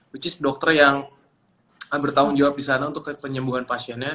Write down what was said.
which is dokter yang bertanggung jawab di sana untuk penyembuhan pasiennya